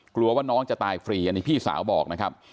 กลัวว่าน้องจะตายฟรีอันนี้พี่สาวบอกนะครับ